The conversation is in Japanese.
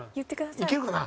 いけるかな？